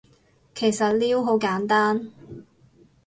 其實撩好簡單